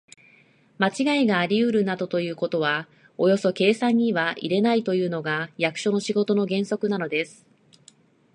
まちがいがありうるなどということはおよそ計算には入れないというのが、役所の仕事の原則なのです。